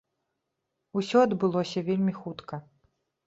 Усё адбылося вельмі хутка.